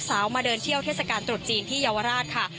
ส่วนทุกคนรัก